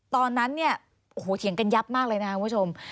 ตอนนั้นเถียงกันยับมากเลยนะคุณผู้ชม